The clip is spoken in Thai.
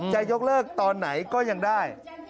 จะยกเลิกตอนไหนก็ยังได้